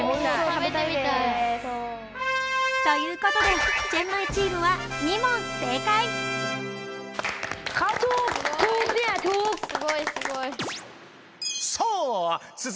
食べてみたい。ということでチェンマイチームはすごいすごい。